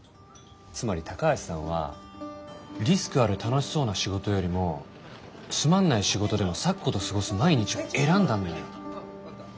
つまり高橋さんはリスクある楽しそうな仕事よりもつまんない仕事でも咲子と過ごす毎日を選んだんだよ。